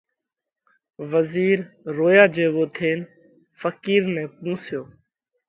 وزِير رويا جيوو ٿينَ ڦقِير نئہ پُونسيو: